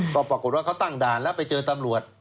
ก็ปรากฏว่าเขาตั้งด่านแล้วไปเจอตำรวจ